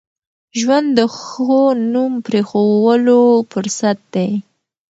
ژوند د ښو نوم پرېښوولو فرصت دی.